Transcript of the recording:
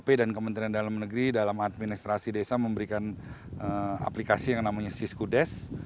bpkp dan kementerian dalam negeri dalam administrasi desa memberikan aplikasi yang namanya sysku des